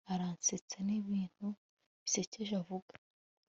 aransetsa nibintu bisekeje avuga